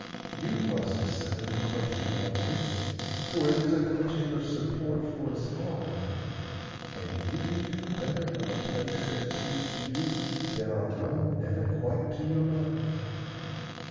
You must decide a question like this, for it is a question of support for us all, and you can do better on a place that suits you than on one never quite to your mind.